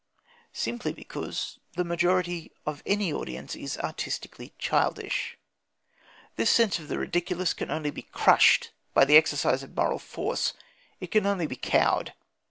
Simply because the majority of any audience is artistically childish. This sense of the ridiculous can only be crushed by the exercise of moral force. It can only be cowed.